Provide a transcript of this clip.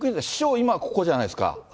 今ここじゃないですか。